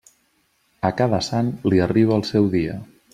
A cada sant li arriba el seu dia.